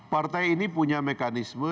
partai ini punya mekanisme